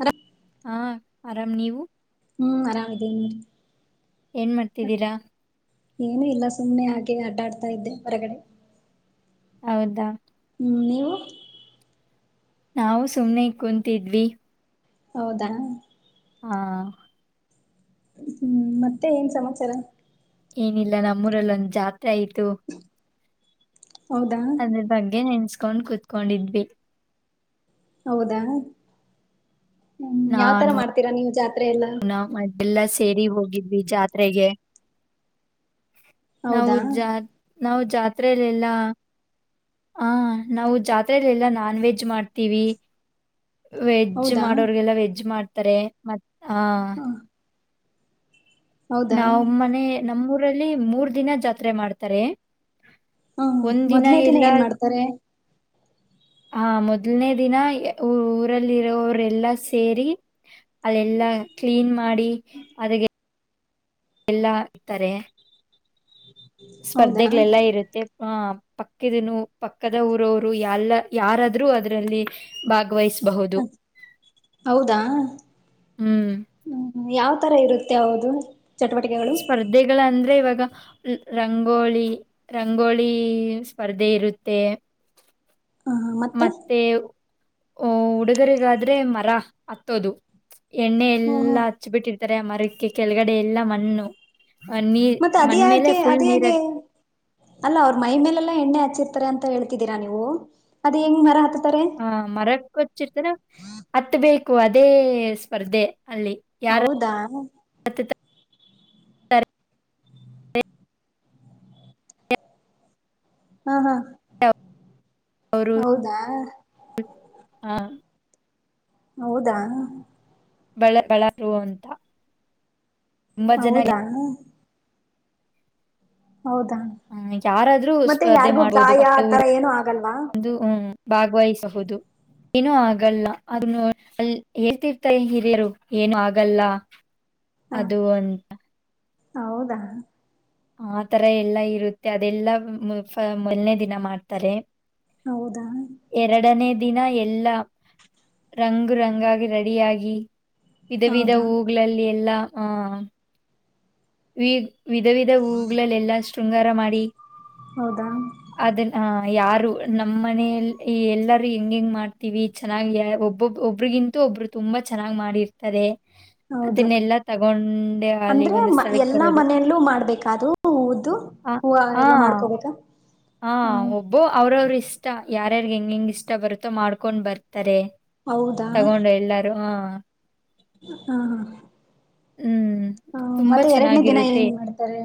ಅ ಹಾ ಆರಾಮ್ ನೀವು ಹ್ಮ್ ಆರಾಮ ಇದೇನ ಏನ್ ಮಾಡ್ತಿದ್ದೀರಾ ಏನು ಇಲ್ಲ ಸುಮ್ಮನೆ ಹಾಗೆ ಆಡ್ಡಾಡ್ತಾ ಇದ್ದೆ ಹೊರಗಡೆ ಹೌದಾ ಹ್ಮ್ ನೀವು ನಾವು ಸುಮ್ನೆ ಕುಂತಿದ್ದ್ ಹೌದಾ ಹಾ ಹ್ಮ್ ಮತ್ತೆ ಏನ್ ಸಮಾಚಾರ ಏನಿಲ್ಲ ನಮ್ಮೂರಲ್ಲಿ ಒಂದ್ ಜಾತ್ರೆ ಆಯ್ತು ಹೌದಾ ಅದ್ರ ಬಗ್ಗೆ ನೆನ್ಸ್ಕೊಂಡ್ ಕುೂತ್ಕೊಂಡಿದ್ವಿ ಹೌದಾ ಹ್ಮ ಯಾವ್ ತರ ಮಾಡ್ತೀರಾ ನೀವು ಜಾತ್ರೆ ಎಲ್ಲ ಮ ಎಲ್ಲ ಸೇರಿ ಹೋಗಿದ್ವಿ ಜಾತ್ರೆಗೆ ನಾವು ಹೌದಾ ಜಾತ್ ನಾವು ಜಾತ್ರಲೆಲ್ಲಾ ಹ ನಾವು ಜಾತ್ರರೆಲ್ಲ ಎಲ್ಲಾ ನಾನ್ ವೆಜ್ ಮಾಡ್ತೀವಿ ವೆಜ್ಜ್ ಹೌದಾ ಮಾಡೋರ್ಗೆಲ್ಲ ವೆಜ್ ಮಾಡ್ತಾರೆ ಮ ಹ ಹೌದಾ ನಾವ್ ಮನೆ ನಮ್ಮೂಊರಲ್ಲಿ ಮೂರ್ ದಿನ ಜಾತ್ರೆ ಮಾಡ್ತಾರೆ ಒಂದ್ ದಿನ ಎಲ್ಲಾ ಅ ಹ ಮೊದಲನೇ ದಿನ ಊರಲ್ಲಿ ಇರೋವರೆಲ್ಲಾ ಸೇರಿ ಅಲ್ಲೆಲ್ಲಾ ಕ್ಲೀನ್ ಮಾಡಿ ಅದಕ್ಕೆ ಎಲ್ಲಾ ಇತಾರೆ ಹೌದಾ ಸ್ಪರ್ಧೆಗಳೆಲ್ಲಾ ಇರುತ್ತೆ. ಹ ಪಕ್ಕದನು ಪಕ್ಕದ ಊರವರು ಎಲ್ಲ ಯಾರಾದ್ರೂ ಅದರಲ್ಲಿ ಭಾಗವಹಿಸ್ ಹ ಹೌದಾ ಹ್ಮ್ ಹ್ಮ್ ಯಾವ್ ತರ ಇರುತ್ತೆ ಹೌದು ಚಟುವಟಿಕೆಗಳು. ಗಳಂದ್ರೆ ಇವಾಗ. ರಂಗೋಳಿ ರಂಗೋಳಿ ಸ್ಪರ್ಧೆ ಇರುತ್ತೆ. ಮತ್ತೆ ಓ ಹುಡುಗರಿಗಾದ್ರೆ ಮರ ಹತ್ತೋದು ಎಣ್ಣೆ ಓಹೋ ಎಲ್ಲಾ- - ಹಚ್ಚಿ ಬಿಟ್ಟಿರ್ತಾರೆ ಆ ಮರಕ್ಕೆ ಕೆಳಗಡೆ ಎಲ್ಲ ಮಣ್ಣು. ಆ ನೀರ್ ಮತ್ತೆ ಅದ್ ಮಣ್ ಮೇಲೆ ಯಾಕೆ ಫುಲ್ ಅದು ಹೇಗೆೆ. ನೀರಾಗ್ ಅಲ್ಲ ಅವ್ರ ಮೈ ಮೇಲೆಲ್ಲ ಎಣ್ಣೆ ಹಚ್ಚಿರ್ತಾರೆ ಅಂತ ಹೇಳ್ತಿದ್ದೀರಾ ನೀವು ಅದ್ ಹೆಂಗ್ ಮರ ಹತ್ತುತಾರೆ. ಹ ಮರಕ್ ಹಚ್ಚಿರ್ತರ ಹತ್ಬೇಕು ಅದೇ ಸ್ಪರ್ಧೆ ಅಲ್ಲಿ. ಯಾರು ಹೌದಾ ಹತ್ತುತ್ತಾರೆ ಹಾ ಹಾ ಹೌದಾ ಹಾ ಹೌದಾ ಬೇಳ ಬೆಳದು ಅಂತ. ತುಂಬಾ ಜನ ಹೌದಾ ಹೌದಾ ಹ್ಮ್ ಯಾರಾದ್ರೂ ಮತ್ತೆ ಸ್ಪರ್ಧೆ ಯಾರಿಗೂ ಮಾಡ್ಬೋದು ಗಾಯ ಪಕ್ಕ ಆತರ ಏನು ಆಗಲ್ವಾ ಊರುಂದು ಹ್ಮ. ಭಾಗವಹಿಸಬಹುದು. ಏನು ಆಗಲ್ಲ ಅ ಅಲ್ ಹೇಳ್ತಿರ್ತರೆ ಹಿರಿಯರು ಏನು ಆಗಲ್ಲ. ಹ ಅದು ಅಂತ. ಹೌದಾ ಆತರ ಎಲ್ಲಾ ಇರುತ್ತೆ ಅದೆಲ್ಲಾ ಮೊದನೇ ದಿನ ಮಾಡ್ತಾರೆ. ಹೌದಾ ಎರಡನೇ ದಿನ ಎಲ್ಲಾ. ರಂಗು ರಂಗಾಗಿ ರೆಡಿಯಾಗಿ ವಿಧ ವಿಧ ಹೌದಾ ಹೂಗಳಲ್ಲಿ ಎಲ್ಲ ಆ. ವಿ ವಿಧ ವಿಧ ಹೂವುಗಳಲ್ಲೆಲ್ಲಾ ಶೃಂಗಾರ ಮಾಡಿ. ಹೌದಾ ಅದನ್ನ ಯಾರು ನಮ್ ಮನೆಯಲ್ಲಿ ಎಲ್ಲಾರೂ ಹೆಂಗ ಹೆಂಗ್ ಮಾಡ್ತೀವಿ. ಚೆನ್ನಾಗಿ ಒಬ್ಬಬ್ ಒಬ್ರಿಗಿಂತ ಒಬ್ರು ತುಂಬಾ ಚೆನ್ನಾಗಿ ಮಾಡಿರ್ತಾರೆ. ಹೌದು ಅದನ್ನೆಲ್ಲಾ ತಗೊಂಡೆ ಅಲ್ಲಿ ಅಂದ್ರೆ ಒಂದ್ ಎಲ್ಲಾ ಮನೆಯಲ್ಲೂ ಮಾಡ್ಬೇಕಾ ಅದು ಹೂವದ್ದು ಹೂವು ಎಲ್ಲಾ ಮಾಡ್ಕೋಬೇಕ. ಹಾ ಒ ಬೊ ಅವ್ರ ಅವ್ರ್ ಇಷ್ಟ ಯಾರ್ ರ್ಯಾರಿಗೆ ಹೆಂಗ್ ಹೆಂಗ್ ಇಷ್ಟ ಬರುತ್ತೋ ಮಾಡ್ಕೊಂಡು ಬರ್ತಾರೆ. ಹೌದಾ ತಗೊಂಡು ಎಲ್ಲಾರು ಹಾ. ಹಾ ಹ್ಮ್ ಹಾ ತುಂಬಾ ಮತ್ತೆ ಎರಡನೇ ದಿನ ಚೆನ್ನಾಗಿರುತ್ತೆ ಏನ್ ಮಾಡ್ತಾರೆ.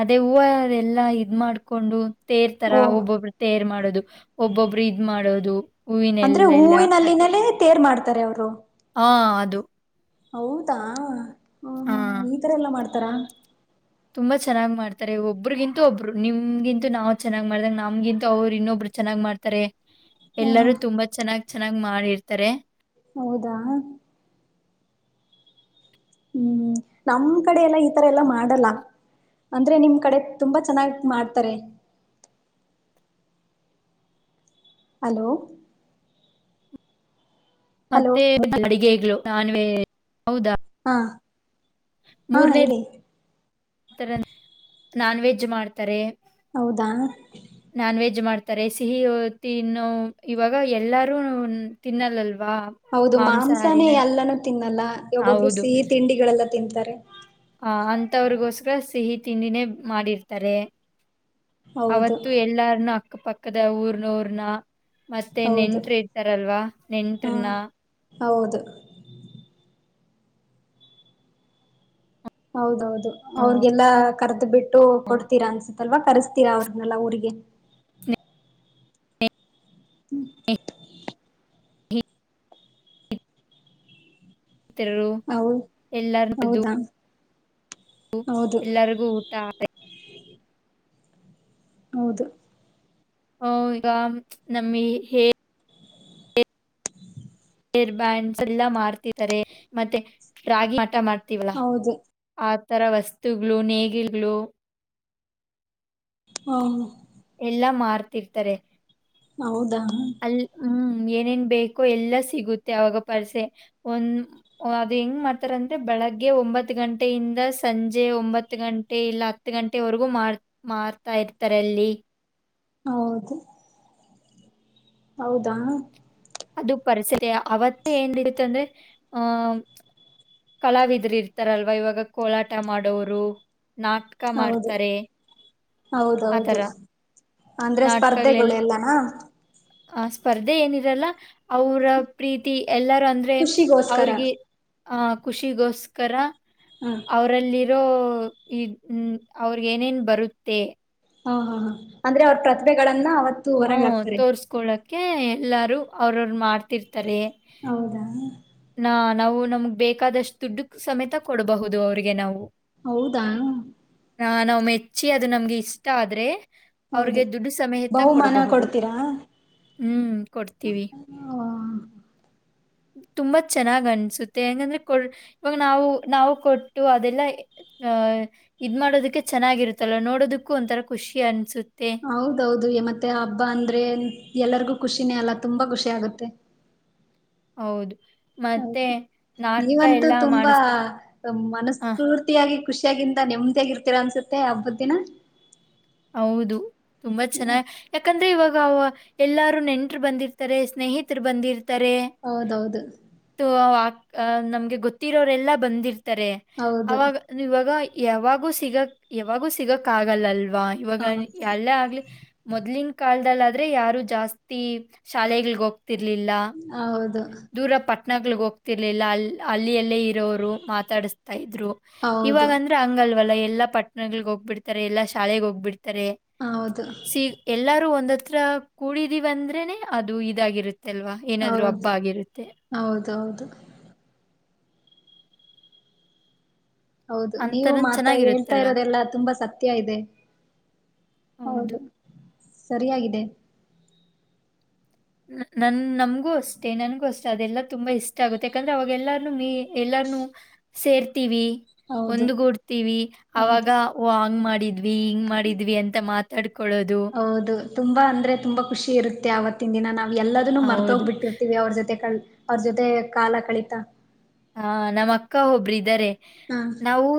ಅದೇ ಹೂವ ಅದೆಲ್ಲಾ ಇದ್ ಮಾಡ್ಕೊಂಡು ತೇರ್ತರ ಓ ಒಬ್ಬೊಬ್ಬರು ತೇರ್ ಮಾಡೋದು. ಒಬ್ಬೊಬ್ರು ಇದ್ ಮಾಡೋದು ಅಂದ್ರೆ ಹೂವಿನೆಲ್ಲೆಲ್ಲಾ ಕಟ್ಟಿ. ಹೂವಿನಲ್ಲಿನಲ್ಲೇ ತೇರ್ ಮಾಡ್ತಾರೆ ಅವ್ರು. ಹಾ ಅದು ಹೌದಾ. ಹಾ. ಈ ತರ ಎಲ್ಲ ಮಾಡ್ತಾರಾ. ತುಂಬಾ ಚೆನ್ನ್ ಮಾಡ್ತಾರೆ ಒಬರಿಗಿಂತೂ ಒಬ್ಬರು ನಿಮ್ಗಿಂತೂ ನಾವ್ ಚೆನ್ನ್ ಮಾಡ್ದಂಗ ನಮ್ಗಿಂತ ಅವರು ಇನ್ನೊಬ್ಬರು ಚೆನ್ನಾಗ್ ಮಾಡ್ತಾರೆ ಹಾ ಹಾ ಎಲ್ಲರೂ ತುಂಬಾ ಚೆನ್ನಾಗ್ ಚೆನ್ನಾಗ್ ಮಾಡಿರ್ತಾರೆ. ಹೌದಾ. ಹ್ಮ್ ನಮ್ ಕಡೆ ಎಲ್ಲಾ ಈತರ ಎಲ್ಲಾ ಮಾಡಲ್ಲ. ಅಂದ್ರೆ ನಿಮ್ ಕಡೆ ತುಂಬಾ ಚೆನ್ನಾಗಿ ಮಾಡ್ತಾರೆ. ಹಲೋ. ಹಲೋ ಮತ್ತೆ ಅಡಿಗೆಗಳು ನಾನೇ ಹೌದಾ. ಹಾ. ಹಾ ಮೂರನೇ ಹೇಳಿ ಈ ತರ ನಾನ್ ವೆಜ್ ಮಾಡ್ತಾರೆ. ಹೌದಾ. ನಾನ್ ವೆಜ್ ಮಾಡ್ತಾರೆ ಸಿಹಿ ತಿನ್ನು ಇವಾಗ ಎಲ್ಲರೂ ತಿನ್ನಲ್ಲಲ್ವಾ. ಹೌದು ಮಾಂಸಾನೇ ಮಾಂಸಾಹಾರಿನ ಎಲ್ಲಾನೂ ತಿನ್ನಲ್ಲ ಒಬ್ಬೊಬ್ರು ಹೌದು. ಸಿಹಿ ತಿಂಡಿಗಳೆಲ್ಲ ತಿನ್ಂತಾರೆ. ಹ ಅಂತವ್ರಿಗೋಕ್ಸರ ಸಿಹಿ ತಿಂಡಿನೇ ಮಾಡಿರ್ತಾರೆ. ಹೌದು ಅವತ್ತು ಎಲ್ಲಾರ್ನ ಅಕ್ಕ ಪಕ್ಕದ ಊರ್ನವರ್ನ. ಮತ್ತೆ ಹೌದು ನೆಂಟ್ರ ಇರ್ತಾರಲ್ವಾ ಹಾ ನೆಂಟ್ರನ. ಹೌದು. ಹೌದೌದು. ಹ್ಮ್, ಅವ್ರಗೆಲ್ಲ ಕರೆದು ಬಿಟ್ಟು ಹ್ಮ್, ಕೊಡ್ತೀರಾ ಅನ್ಸತ್ತಲ್ವ ಕರಸ್ತಿರಾ ಅವ್ರನೆಲ್ಲಾ ಊರಿಗೆ. ಹೌ ಎಲ್ಲಾರ. [unintelligible] ಹೌದಾ ಹೌದು ಎಲ್ಲರಿಗೂ ಊಟ. ಹೌದು. ಹ ಈಗ ನಮ್ಮಿ ಹೇ. ಹೇರ್ ಬ್ಯಾಂಡ್ಸ್ ಎಲ್ಲ ಮಾಡ್ತಾರೆ ಮತ್ತೆ ರಾಗಿ ಆಟ ಮಾಡ್ತೀವಲ್ಲಾ. ಹೌದು ಆ ತರ ವಸ್ತುಗಳು ನೇಗಿಗಳು. ಹಾ. ಎಲ್ಲಾ ಮಾರ್ತಿರ್ತಾರೆ. ಹೌದಾ. ಅ ಹ್ಮ್ ಏನೇನ್ ಬೇಕೋ ಎಲ್ಲ ಸಿಗುತ್ತೆ ಅವಾಗ ಪರ್ಸೆ ಒಂದ. ಅದು ಹೆಂಗ್ ಮಾಡ್ತಾರ ಅಂದ್ರೆ ಬೆಳಗ್ಗೆ ಒಂಬತ್ತು ಗಂಟೆಯಿಂದ ಸಂಜೆ ಒಂಬತ್ತು ಗಂಟೆ ಇಲ್ಲ. ಹತ್ತು ಗಂಟೆವರೆಗೂ ಮ ಮಾರ್ತಾ ಇರ್ತಾರೆಲ್ಲಿ. ಹೌದು. ಹೌದಾ. ಅದು ಪರಿಸಲಿ ಅವತ್ತೇ ಏನ ಆಯ್ತು ಅಂದ್ರೆಆಹ. ಕಲಾವಿದಿದರು ಇರ್ತಾರಲ್ವ ಇವಾಗ ಕೋಲಾಟ ಮಾಡೋರು ನಾಟಕ ಹೌದು ಮಾಡ್ತಾರೆ. ಆ ಹೌದೌದು ತರ ಅಂದ್ರೆ ಸ್ಪರ್ಧೆಗಳು ನಾಟಕಗಳೆಲ್ಲ ಎಲ್ಲ. ಆ ಸ್ಪರ್ಧೆ ಏನಿರಲ್ಲ ಅವರ ಪ್ರೀತಿ ಎಲ್ಲಾರೂ ಅಂದ್ರ. [inaudible] ಖುಷಿಗೋಸ್ಕರ ಅವ್ರಿಗೆ ಆಹ ಖುಷಿಗೋಸ್ಕರ. ಹಾ. ಅವರಲ್ಲಿರೋ ಇದ್ ಅವ್ರಗೇಏನೇನು ಬರುತ್ತೆ. ಹಾ ಹಾ ಹಾ ಅಂದ್ರೆ ಅವ್ರ ಪ್ರತಿಭೆಗಳನ್ನ ಅವತ್. ಹೂ ತೋರ್ಸ್ಕೊಳಕ್ಕೆ ಎಲ್ಲಾರು ಅವ್ರ ಅವರು ಮಾಡ್ತಿರ್ತಾರೆ. ಹೌದಾ. ನಾ ನಾವು ನಮ್ಗ್ ಬೇಕಾದಷ್ಟು ದುಡ್ಡು ಸಮೇತ ಕೊಡಬಹುದು ಅವ್ರಿಗೆ ನಾವು. ಹೌದಾ. ಹ ನಾವ್ ಮೆಚ್ಚಿ ಅದು ನಮ್ಗೆ ಇಷ್ಟ ಆದ್ರೆ ಹೌದು ಅವ್ರಿಗೆ ದುಡ್ಡು ಸಮೇತ ಬಹುಮಾನ ಕೊಡಬಹುದು ಕೊಡ್ತೀರಾ ಹ್ಮ್ ಕೊಡ್ತೀವಿ ಹ ತುಂಬಾ ಚೆನ್ನಾಗ್ ಅನ್ಸುತ್ತೆ ಹೆಂಗಂದ್ರೆ ಕೊ ಇವಾಗ ನಾವು ನಾವು ಕೊಟ್ಟು ಅದೆಲ್ಲ ಇ ಇದ ಮಾಡೋದಕ್ಕೆ ಚೆನ್ನಾಗಿರುತ್ತಲ್ಲ ನೋಡೋದಕ್ಕೂ ಒಂಥರ ಖುಷಿ ಅನಿಸುತ್ತೆ ಹೌದೌದು ಮತ್ತೆ ಹಬ್ಬ ಅಂದ್ರೆ ಎಲ್ಲರಿಗೂ ಖುಷಿನೇ ಅಲ್ಲ ತುಂಬಾ ಖುಷಿ ಆಗುತ್ತೆ ಹೌದು ಮತ್ತೆ ಹೌದು ನಾಟಕ ನೀವಂತೂ ಎಲ್ಲ ತುಂಬಾ ಮಾಡಿಸ್ ಆ ಮನಸ್ಪೂರ್ತಿ ಹ್ಯಾಪಿ ಯಾಗಿ ಖುಷಿಯಾಗಿಂತ ನೆಮ್ಮದಿಯಾಗಿರ್ತೀರ ಅನ್ಸುತ್ತೆ ಹಬ್ಬದ ದಿನ ಹೌದು ತುಂಬಾ ಹ್ಮ್. ಚೆನ್ನಾಗಿ ಯಾಕಂದ್ರೆ ಇವಾಗ ಎಲ್ಲಾರೂ ನೆಂಟರು ಬಂದಿರ್ತಾರೆ ಸ್ನೇಹಿತರು ಬಂದಿರ್ತಾರೆ ಹೌದೌದು ನಮ್ಗೆ ಗೊತ್ತಿರೋರೆಲ್ಲಾ ಬಂದಿರ್ತಾರೆ ಹೌದು ಅವಾಗ ಇವಾಗ ಯಾವಾಗೂ ಸಿಗಕ್ ಯಾವಾಗೂ ಸಿಗಕ್ ಆಗಲ್ಲ ಅಲ್ವಾ ಇವಾಗ ಹೌದು ಎಲ್ಲ ಆಗ್ಲಿ ಮೊದ್ಲಿನ ಕಾಲದಲ್ಲ ಆದ್ರೆ ಯಾರು ಜಾಸ್ತಿ ಶಾಲೆಗಳಗ ಹೋಗ್ತಿರ್ಲಿಲ್ಲ ಹೌದು ದೂರ ಪಟ್ನಗಳಿಗೆ ಹೋಗ್ತಿರ್ಲಿಲ್ಲ ಅಲ್ಲಿ ಅಲ್ಲಿ ಎಲ್ಲೇ ರರು ಮಾತಾಡಿಸ್ತಾ ಇದ್ರು ಹೌದು ಇವಾಗ ಅದ್ರ ಹಂಗಲ್ವಲ್ಲ ಎಲ್ಲಾ ಪಟ್ಟಣಗಳ ಹೋಗ್ಬಿಡ್ತಾರೆ ಎಲ್ಲಾ ಶಾಲೆಗೆ ಹೋಗ್ಬಿಡ್ತಾರೆ ಹೌದು ಸಿ ಎಲ್ಲಾರೂ ಒಂದ್ ಹತ್ರ ಕೂಡಿದೀವಿ ಅಂದ್ರೆನೆ ಅದು ಇದಾಗಿರುತ್ತೆಲ್ವಾ ಹೌದು ಏನಾದ್ರೂ ಹಬ್ಬ ಬಾಗಿರುತ್ತೆ ಹೌದೌದು ಹೌದು ನೀವು ಅಂತಾನು ಮಾತಾ ಹೇಳ್ತಾ ಚೆನ್ನಾಗಿರುತ್ತಲ್ವಾ ಇರೋದೆಲ್ಲ ತುಂಬಾ ಸತ್ಯ ಇದೆ ಹೌದು ಸರಿಯಾಗಿದೆ ನನ್ ನಮ್ಗೂ ಅಷ್ಟೇ ನನ್ಗೂ ಅಷ್ಟೆ ಅದೆಲ್ಲಾ ತುಂಬಾ ಇಷ್ಟ ಆಗುತ್ತೆ ಯಾಕಂದ್ರೆ ಅವಾಗೆಲ್ಲ ಎಲ್ಲಾರ್ ಸೇರ್ತವಿ ಹೌದು ಒಂದಗೂಡ್ತೀವಿ ಅವಾಗ ಹೌದು ಓ ಹಂಗ್ ಮಾಡಿದ್ವಿ ಹಿಂಗ್ ಮಾಡಿದ್ವಿ ಅಂತ ಮಾತಾಡ್ಕೊಳ್ಳೋದು ಹೌದು ತುಂಬಾ ಅಂದ್ರೆ ತುಂಬಾ ಖುಷಿ ಇರುತ್ತೆ ಆ ಅವತ್ತು ಇತ್ತಿನ ದಿನ ನಾವ್ ಎಲ್ಲದನ್ನು ಹೌದು ಮರ್ತೋಗ್ಬಿಟ್ಟಿರ್ತಿವಿ ಅವ್ರ ಜೊತೆ ಕ ಅವ್ರ ಜೊತೆ ಕಾಲ ಕಳಿತಾ ಹಾ ನಮ್ಮ್ ಅಕ್ಕ ಒಬ್ರ ಇದ್ದಾರೆ ಹಾ ನಾವು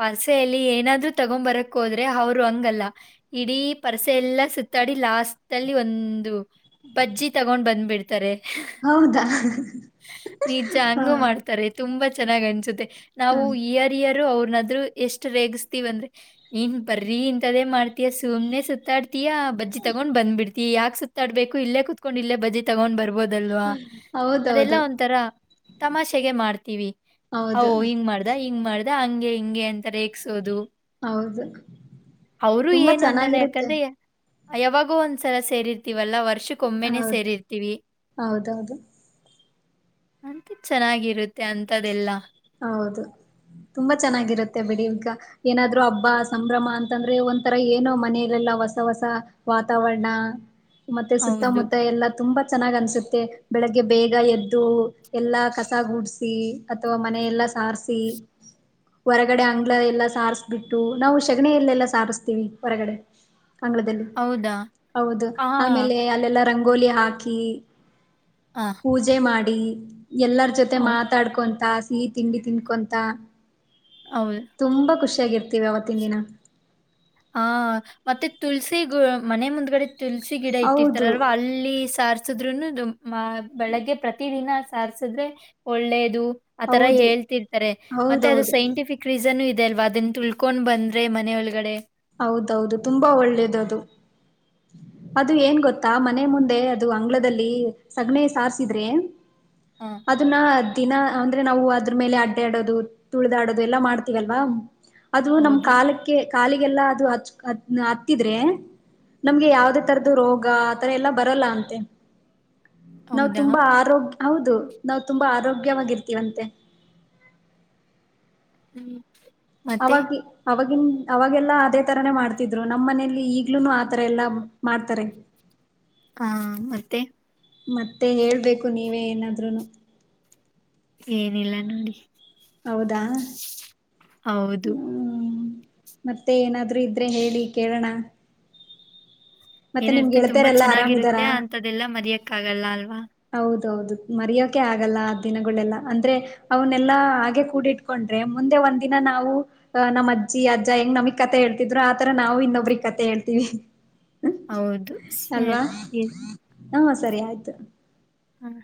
ಪಾಸೆಯಲ್ಲಿ ಏನಾದ್ರು ತಗೊ್ ಬರಕ್ ಹೋದ್ರೆ ಅವ್ರು ಹಂಗಲ್ಲ ಇಡೀ ಪರಸೆ ಎಲ್ಲ ಸುತ್ತಾಡಿ ಲಾಸ್ಟ್ ಅಲ್ಲಿ ಒಂದು ಬಜ್ಜಿ ತಗೊಂಡ್ ಬಂದ್ಬಿಡ್ತಾರೆ ಹೌದಾ ನಿಜ ಹಾ ಹಂಗೂ ಮಾಡ್ತಾರೆ ತುಂಬಾ ಚೆನ್ನಾಗ್ ಅನ್ಸುತ್ತೆ ಹಾ ನಾವು ಇಯರ್ ಇಯರ್ ಅವ್ರನಾದ್ರು ಎಷ್ಟು ರೇಗಸ್ತೀವ ಅಂದ್ರೆ ನೀನ್ ಬರ್ರಿ ಇಂತದೇ ಮಾಡ್ತೀಯ ಸುಮ್ನೆ ಸುತ್ತಾಡ್ತಿ ತಿಯ ಬಜಿ ತಗೊಂಡ್ ಬಂದಬ ಬಿಡ್ತಿ ಯಾಕ ಸುತ್ತಾಡ್ಬೇಕು ಇಲ್ಲೇ ಕುತ್ಕೊಂಡ ಇಲ್ಲೇ ಬಜಿ ತಗೊಂಡ್ ಬರ್ಬೋದು ಇಲ್ವಾ ಹೌದೌದು ಅದೆಲ್ಲಾ ಒಂತರ ತಮಾಷೆಗೆ ಮಾಡ್ತೀವಿ ಓ ಹೌದು ಹಿಂಗ ಮಾಡ್ದ ಹಿಂಗ ಮಾಡ್ದ ಅದ ಹಂಗೆ ಹಿಂಗೆ ಅಂತ ರೇಗ್ಸೋದು ಹೌದು ತುಂಬಾ ಅವರುಏನು ಅನ್ನಲ್ಲ ಚೆನ್ನಾಗಿರುತ್ತೆ ಯಾಕಂದ್ರೆ ಯಾವಾಗೂ ಒಂದ್ಸಲ ಸೇರಿರ್ತಿವಲ್ಲಾ ವರ್ಷಕ್ಕ ಒಮ್ಮೆನೆ ಹೌದು ಸೇರಿರ್ತಿವಿ ಹೌದೌದು ಅಂತ ಚೆನ್ನಾಗಿರುತ್ತೆ ಅಂತದೆೆಲ್ಲಾ ಹೌದು ತುಂಬಾ ಚೆನ್ನಾಗಿರುತ್ತೆ ಬಿಡಿ ಈವಗ ಏನಾದ್ರು ಹಬ್ಬ ಸಂಭ್ರಮ ಅಂತಂದ್ರೆ ಒಂಂತರ ಏನೋ ಮನಲೆೆಲ್ಲ ಹೊಸ ಹೊಸ ವಾತಾವರಣ ಮತ್ತೆ ಹೌದು. ಸುತ್ತಮುತ್ತ ಎಲ್ಲಾ ತುಂಬಾ ಚೆನ್ನಾಗ್ ಅನ್ಸುತ್ತೆ ಮತ್ತ ಬೆಳಗ್ಗೆ ಬೇಗ ಎದ್ದು ಎಲ್ಲಾ ಕಸ ಗುಡಿಸಿಿ ಅಥವಾ ಮನೆಯ ಎಲ್ಲಾ ಸಾರಸಿ ಹೊರಗಡೆ ಅಂಗ್ಲ ಎಲ್ಲಾ ಸಾರಿಸ್ಬಿಟ್ಟು ನಾವು ಶಗಣಿಯಲ್ಲೆಲ್ಲಾ ಸಾರಸ್ತೀವಿ ಹೊರಗಡೆ ಅಂಗಳದಲ್ಲಿ ಹೌದಾ? ಹೌದು ಹಾ. ಆಮೇಲೆ ಅಲ್ಲೆಲ್ಲ ರಂಗ ಕಗೋಲಿ ಹಾಕಿ ಹಾ. ಪೂಜೆ ಮಾಡಿ ಎಲ್ಲರ ಜೊತೆ ಮಾತ ಹೌದು, ಮಾತಾಡ್ಕೊಂತ ಸಿಹಿ ತಿಂಡಿ ತಿನ್ಕೊಂತ ಹೌದು ತುಂಬಾ ಖುಷಿಯಾಗಿರ್ತೀವಿ ಅವತ್ತಿನ ದಿನ ಹಾ ಮತ್ತೆ ತುಳ್ಸಿ ಗ ಮನೆ ಮುಂದ್ಗಡೆ ತುಳಸಿ ಗಿಡ ಹೌದು ಇಟ್ಟಿರ್ತಾರಲ್ವಾ ಅಲ್ಲಿ ಸಾರ್ ಸುದ್ನು ಬೆಳಗ್ಗೆ ಪ್ರತ ದಿನ ಸಾರಸಿದ್ರೆ ಒಳ್ಳೇದು ಆ ತರ ಹೌದು ಹೇಳ್ತಿರ್ತಾರೆ ಮತ್ತೆ ಅದು ಹೌದೌದು ಸೈಂಟಿಫಿಕ್ ಕ್ರಿಜನು ಇದೆ ಅಲ್ವಾ ಅದನ್ನ ತುಳ್ಕೊಂಡ್ ಬಂದ್ರೆ ಮನೆೆಯೊಳಗಡೆ ಹೌದೌದು ತುಂಬಾ ಒಳ್ಳೇದ ಅದು ಅದು ಏನ್ ಗೊತ್ತಾ ಮನೆ ಮುಂದೆ ಅದು ಅಂಗ್ಲದಲ್ಲಿ ಸಗ್ಣ ಸಾರಸಿದ್ರೆ ಹಾಂ ಅದನ್ನ ದಿನ ಅಂದ್ರೆ ನಾವು ಅದ್ರ ಮೇಲೆ ಅಡ್ಡ ಆಡೋದು ತುಳಿದಾಡದು ಎಲ್ಲಾ ಮಾಡ್ತೀವಲ್ವಾ ಅದು ನಮ್ ಹೌದು ಕಾಲಕ್ಕೆ ಕಾಲ ಹಾಗೆಲ್ಲಾ ಅದು ಹ ಹತ್ತಿದ್ರೆ ನಮ್ಗೆ ಯಾವವುದೇ ತರದು ರೋಗ ಆತರ ಎಲ್ಲಾ ಬರಲ್ಲ ಅಂತೆ ನಾವವು ಹೌದಾ ತುಂಬಾ ಆರೋಗ್ಯ ಹೌದು ನಾವವು ತುಂಬಾ ಆರೋಗ್ಯವಾಗಿರ್ತೀವಂತೆ ಹ್ಮ್ ಮತ್ತೆ ಅವಕಿ ಅವಾಗಿನ್ ಅವಾಗೆಲ್ಲಾ ಅದೇ ತರಾನೇ ಮಾಡ್ತಿದ್ರು ನಮ್ಮ್ ಮನೇಲಿ ಈಗ್ಲೂ ಆತರ ಎಲ್ಲಾ ಮಾಡ್ತಾರೆ. ಹಾ ಮತ್ತೆ. ಮತ್ತೆ ಹೇಳ್ಬೇಕು ನೀವೇ ಏನಾದ್ರುನು. ಏನಿಲ್ಲ ನೋಡಿ. ಹೌದಾ ಹೌದು ಹ್ಮ್ ಮತ್ತೆ ಏನಾದ್ರೂ ಇದ್ರೆ ಹೇಳಿ ಕೇಳೋಣ. ಮತ್ತೆ ನಿಮ್ ಏನಿರುತ್ತೆ ತುಂಬಾ ಗೆಳತಿಯರೆಲ್ಲಾ ಚೆನ್ನಾಗಿರುತ್ತೆ ಆರಾಮಿದಾರಾ? ಅಂತದೆಲ್ಲಾ ಮರೆಯಕ ಆಗಲ್ಲ ಅಲ್ವಾ. ಹೌದೌದು ಮರಿಯೋಕೆ ಆಗಲ್ಲ ಆ ದಿನಗಳೆಲ್ಲ ಅಂದ್ರೆ. ಅವನ್ನೆಲ್ಲಾ ಹಾಗೆ ಕೂಡಿ ಇಟ್ಟಕೊಂಡ್ರೆ ಮುಂದೆ ಒಂದ ದಿನ ನಾವು. ಅ ನಮ್ಮ ಅಜ್ಜಿ ಅಜ್ಜ ಹೆಂಗ ನಮಿಗ್ ಕತೆ ಹೇಳ್ತಿದ್ರು ಆತರ ನಾವು ಇನ್ನೊಬ್ರಿಗೆ ಕಥೆ ಹೇಳ್ತೀವಿ. ಹೌದು ಸರಿ. ಹಾ ಸರಿ ಆಯ್ತು. ಹಾಂ